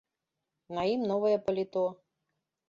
На ім новае паліто.